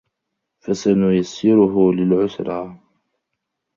فَسَنُيَسِّرُهُ لِلعُسرى